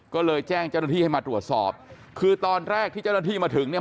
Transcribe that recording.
ก็เลยแจ้งเจ้าหน้าที่ให้มาตรวจสอบคือตอนแรกที่เจ้าหน้าที่มาถึงเนี่ย